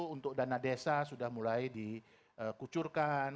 untuk dana desa sudah mulai dikucurkan